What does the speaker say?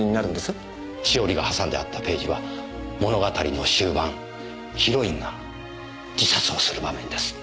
しおりが挟んであったページは物語の終盤ヒロインが自殺をする場面です。